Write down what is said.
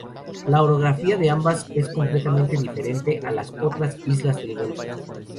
La orografía de ambas es completamente diferente a las otras islas del Golfo.